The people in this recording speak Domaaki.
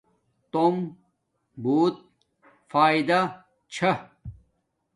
توم بوت فاݵدا چھا